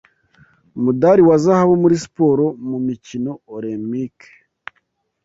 umudari wa zahabu muri siporo mu mikino Olempike